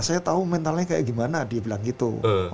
saya tahu mentalnya kayak gimana dia bilang gitu